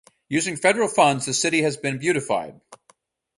Using federal funds the city has been beautified.